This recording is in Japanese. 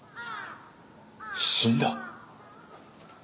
死んだ？